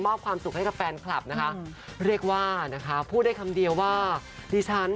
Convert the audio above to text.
ความสุขให้กับแฟนคลับนะคะเรียกว่านะคะพูดได้คำเดียวว่าดิฉัน